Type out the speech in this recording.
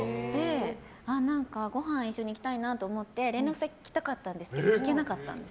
何か、ごはん一緒に行きたいなと思って連絡先聞きたかったんですけど聞けなかったんです。